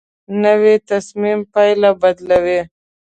نوې تصمیم پایله بدلوي